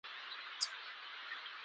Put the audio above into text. هلک وینې، هغه بېحاله دی.